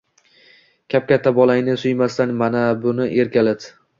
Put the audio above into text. Kapkatta bolangni suymasdan mana buni erkalat!